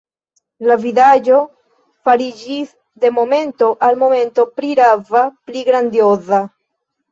La vidaĵo fariĝis de momento al momento pli rava, pli grandioza.